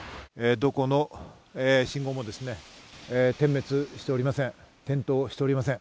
どこの信号も点滅しておりません。